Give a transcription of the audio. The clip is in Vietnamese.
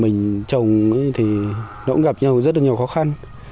mình trồng thì nó cũng gặp nhau rất là nhiều khó khăn